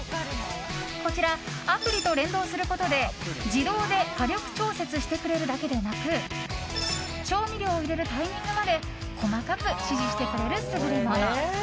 こちら、アプリと連動することで自動で火力調節してくれるだけでなく調味料を入れるタイミングまで細かく指示してくれる優れもの。